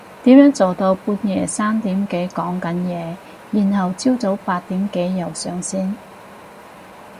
點樣做到半夜三點幾講緊嘢然後朝早八點幾又上線？